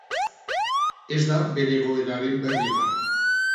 Ez da bere egoeraren berri eman.